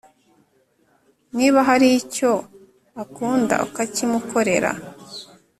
niba hari icyo akunda ukakimukorera